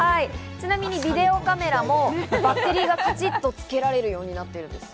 ちなみにビデオカメラもバッテリーがカチッとつけられるようになっているんです。